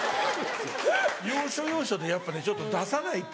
要所要所でやっぱねちょっと出さないと。